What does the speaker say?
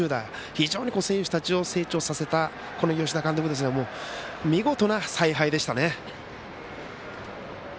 非常に選手たちを成長させた吉田監督、見事な采配でしたね。